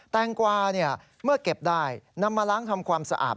แงกวาเมื่อเก็บได้นำมาล้างทำความสะอาด